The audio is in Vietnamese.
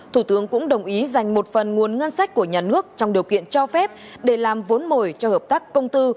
thủ tướng cũng đồng ý dành một phần nguồn ngân sách của nhà nước trong điều kiện cho phép để làm vốn mồi cho hợp tác công tư